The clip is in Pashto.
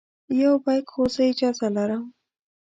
یو بیک خو زه اجازه لرم.